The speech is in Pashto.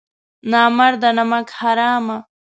نامرده نمک حرامه!